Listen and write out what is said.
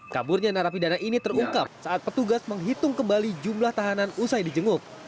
kaburnya narapidana ini terungkap saat petugas menghitung kembali jumlah tahanan usai dijenguk